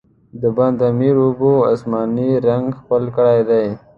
د بند امیر اوبو، آسماني رنګ خپل کړی دی.